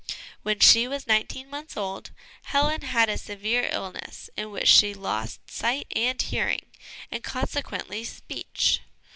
1 When she was nineteen months old, Helen had a severe illness, in which she lost sight and hearing, and consequently speech.